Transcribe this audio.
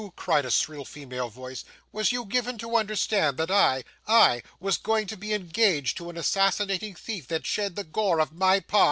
cried a shrill female voice, 'was you given to understand that I I was going to be engaged to an assassinating thief that shed the gore of my pa?